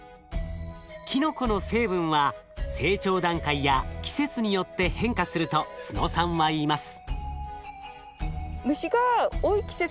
キノコの成分は成長段階や季節によって変化すると都野さんはいいます。